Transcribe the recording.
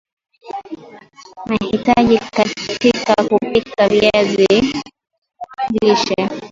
mahitaji katika kupika viazi lishe